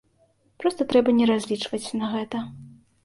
Проста трэба не разлічваць на гэта.